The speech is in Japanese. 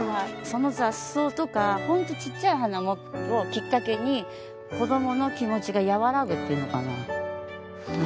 その雑草とか本当ちっちゃい花をきっかけに子どもの気持ちが和らぐっていうのかな。